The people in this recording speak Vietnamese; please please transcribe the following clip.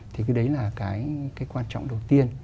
thì cái đấy là cái quan trọng đầu tiên